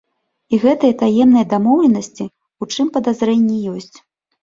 І гэтыя таемныя дамоўленасці, у чым падазрэнні ёсць.